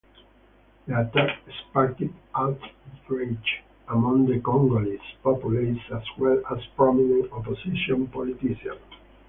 The attack sparked outrage among the Congolese populace as well as prominent opposition politicians.